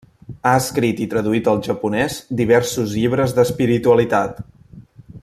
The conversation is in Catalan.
Ha escrit i traduït al japonès diversos llibres d'espiritualitat.